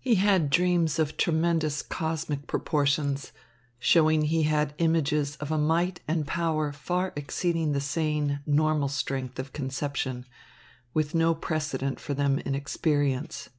He had dreams of tremendous cosmic proportions, showing he had images of a might and power far exceeding the sane, normal strength of conception, with no precedent for them in experience.